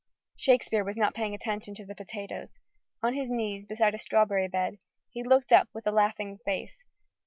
Shakespeare was not paying attention to the potatoes. On his knees beside a strawberry bed, he looked up with a laughing face.